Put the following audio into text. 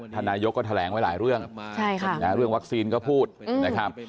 นายกก็แถลงไว้หลายเรื่องเรื่องวัคซีนก็พูดนะครับ